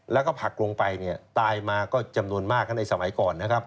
แล้วก็ผลักลงไปเนี่ยตายมาก็จำนวนมากในสมัยก่อนนะครับ